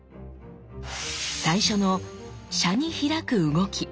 最初の「車に開く」動き。